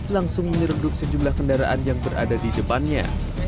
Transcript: langsung menyeruduk sejumlah kendaraan yang berada di depannya